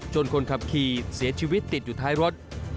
คนขับขี่เสียชีวิตติดอยู่ท้ายรถ